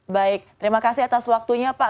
baik terima kasih atas waktunya pak